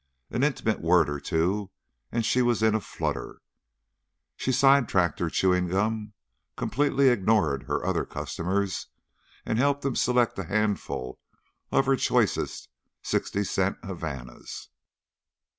An intimate word or two and she was in a flutter. She sidetracked her chewing gum, completely ignored her other customers, and helped him select a handful of her choicest sixty cent Havanas.